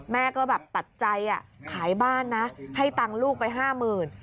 แม่ก็แบบตัดใจขายบ้านนะให้ตังค์ลูกไปห้าหมื่น